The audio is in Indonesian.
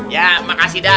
ya makasih dah